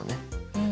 うん。